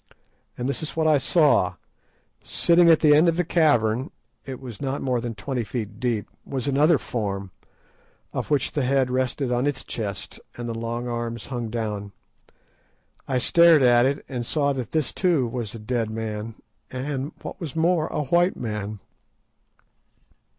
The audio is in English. And this is what I saw: Sitting at the end of the cavern—it was not more than twenty feet long—was another form, of which the head rested on its chest and the long arms hung down. I stared at it, and saw that this too was a dead man, and, what was more, a white man.